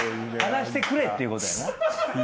話してくれっていうことやな。